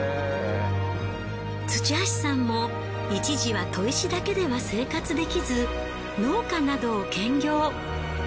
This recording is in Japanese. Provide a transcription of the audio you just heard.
土橋さんも一時は砥石だけでは生活できず農家などを兼業。